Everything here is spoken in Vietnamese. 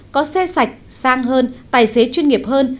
có xe sạch sang hơn tài xế chuyên nghiệp hơn